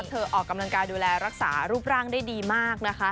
เธอออกกำลังกายรักษาดูแลรูปร่างได้นะคะ